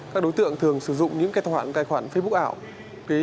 các đối tượng thường sử dụng những cái khoản facebook ảo